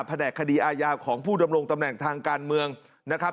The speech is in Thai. แหนกคดีอาญาของผู้ดำรงตำแหน่งทางการเมืองนะครับ